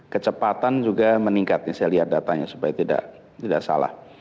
kecepatan juga meningkat ya saya lihat datanya supaya tidak salah